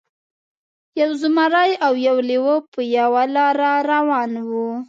یو زمری او یو لیوه په یوه لاره روان وو.